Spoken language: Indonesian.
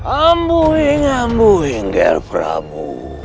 amu ing amu ing nger prabu